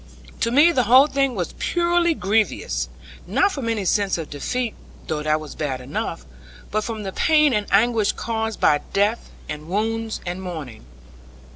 To me the whole thing was purely grievous; not from any sense of defeat (though that was bad enough) but from the pain and anguish caused by death, and wounds, and mourning.